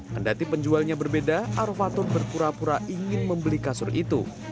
kendati penjualnya berbeda arofatul berpura pura ingin membeli kasur itu